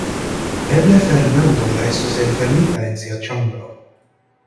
Eble Fernando restos enfermita en sia ĉambro.